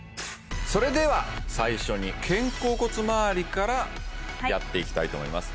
それでは最初に肩甲骨まわりからやっていきたいと思います